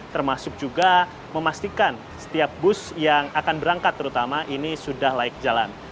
termasuk juga memastikan setiap bus yang akan berangkat terutama ini sudah layak jalan